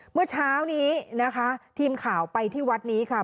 เมื่อเช้านี้นะคะทีมข่าวไปที่วัดนี้ค่ะ